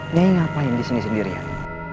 nyai ngapain disini sendirian